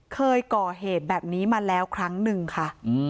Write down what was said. เคยก่อเหตุแบบนี้มาแล้วครั้งหนึ่งค่ะ